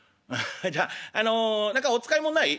「じゃああの何かお使い物ない？